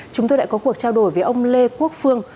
chúng tôi đã có cuộc trao đổi với ông lê quốc phương